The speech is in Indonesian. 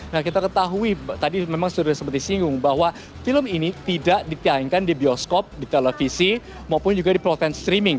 nah kita ketahui tadi memang sudah seperti singgung bahwa film ini tidak ditiaingkan di bioskop di televisi maupun juga di plot and streaming